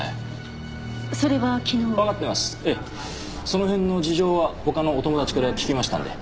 その辺の事情は他のお友達から聞きましたので。